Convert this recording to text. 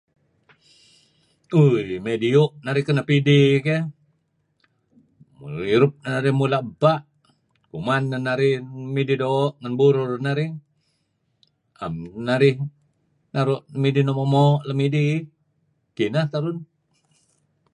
tui me' diu' narih kenep idih ke' mirup narih mula abpa kuman neh narih midih do' lem burur narih naam narih naru midih nuk mo mo lem idih kineh terun